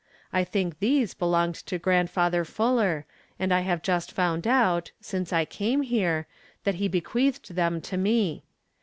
I think these belonged to Grandfather Fuller, and I have just found out, since I came here, that he bequeathed them to me.